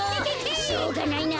しょうがないな。